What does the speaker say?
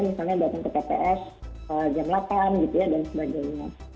misalnya datang ke tps jam delapan gitu ya dan sebagainya